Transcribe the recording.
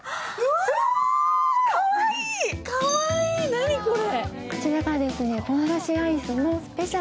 何これ？